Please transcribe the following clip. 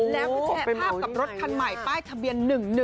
แล้วก็แชร์ภาพกับรถคันใหม่ป้ายทะเบียน๑๑